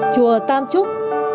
chùa tam trúc